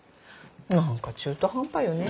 何か中途半端よね。